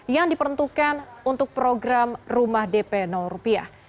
yang diperuntukkan untuk program rumah dp rupiah